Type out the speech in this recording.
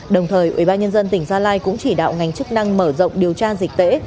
đồng thời ubnd tỉnh gia lai cũng chỉ đạo ngành chức năng mở rộng điều tra dịch tễ